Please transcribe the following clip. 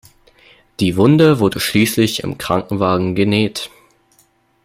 Die Wunde wurde schließlich im Krankenwagen genäht.